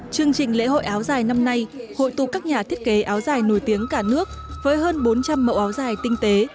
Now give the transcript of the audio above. chương trình lễ hội áo dài năm nay hội tụ các nhà thiết kế áo dài nổi tiếng cả nước với hơn bốn trăm linh mẫu áo dài tinh tế